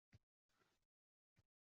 Tushlarim buzildi, bagʻrim chaynadi